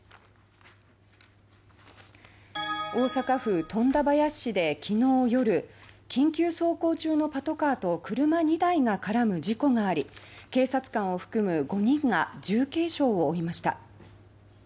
大阪府富田林市で昨日夜緊急走行中のパトカーと車２台が絡む事故があり警察官を含む５人が重軽傷を負いました。